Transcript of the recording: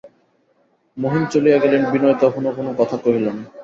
মহিম চলিয়া গেলেন, বিনয় তখনো কোনো কথা কহিল না।